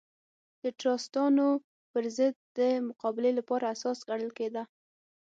د ټراستانو پر ضد د مقابلې لپاره اساس ګڼل کېده.